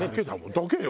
だけよ。